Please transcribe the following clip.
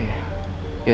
ya makasih ya